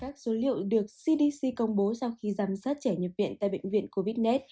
các số liệu được cdc công bố sau khi giám sát trẻ nhập viện tại bệnh viện covid một mươi chín